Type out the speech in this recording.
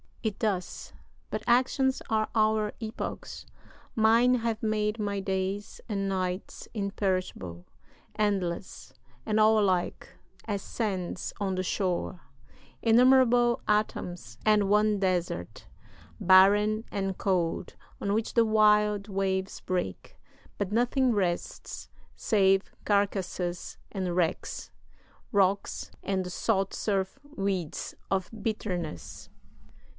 It doth; but actions are our epochs: mine Have made my days and nights imperishable, Endless, and all alike, as sands on the shore, Innumerable atoms; and one desert, Barren and cold, on which the wild waves break, But nothing rests, save carcasses and wrecks, Rocks, and the salt surf weeds of bitterness.